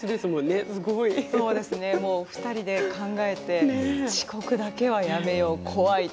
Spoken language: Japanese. ２人で考えて遅刻だけはやめよう怖いって。